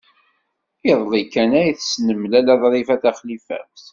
Iḍelli kan ay tessnem Lalla Ḍrifa Taxlifawt.